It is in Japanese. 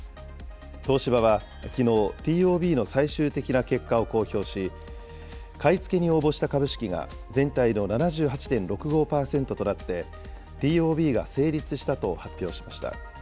東芝はきのう、ＴＯＢの最終的な結果を公表し、買い付けに応募した株式が全体の７８．６５％となって、ＴＯＢが成立したと発表しました。